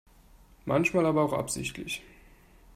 Manchmal aber auch absichtlich.